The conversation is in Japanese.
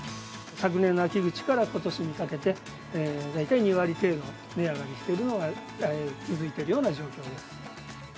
昨年の秋口からことしにかけて、大体２割程度、値上がりしているのが、続いているような状況